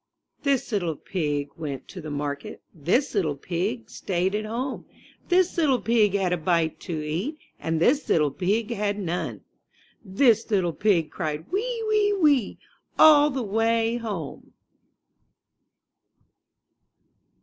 npHIS Httle pig went to market; ^ This little pig stayed at home; This little pig had a bite to eat. And this little pig had none; This little pig cried, "Wee, wee, wee!*' All the way home.